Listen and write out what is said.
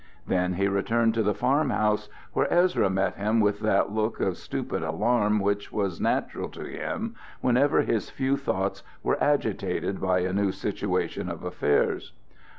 Then he returned to the farm house, where Ezra met him with that look of stupid alarm which was natural to him whenever his few thoughts were agitated by a new situation of affairs.